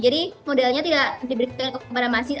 jadi modelnya tidak diberikan kepada masjid